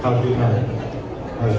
kepada doktor honoris causa